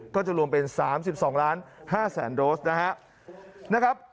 ก็จะรวมเป็น๓๒๕๐๐๐๐๐โดสนะครับ